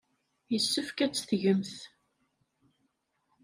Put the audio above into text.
Yessefk ad tt-tgemt.